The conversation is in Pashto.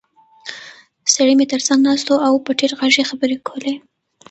سړی مې تر څنګ ناست و او په ټیټ غږ یې خبرې کولې.